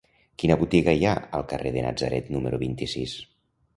Quina botiga hi ha al carrer de Natzaret número vint-i-sis?